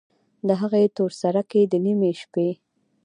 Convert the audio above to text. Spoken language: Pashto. د هغې تورسرکي، د نیمې شپې